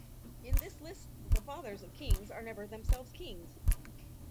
In this list the fathers of kings are never themselves kings.